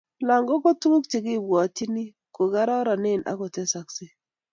langok ko tuguk chekipwatchin ko kararanen ako tesaksei